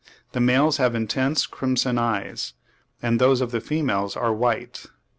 the males have intense crimson eyes, and those of the females are white.